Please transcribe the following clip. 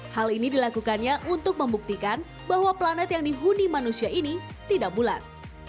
hal ini dilakukannya untuk membuktikan bahwa planet yang dihuni manusia ini tidak bulat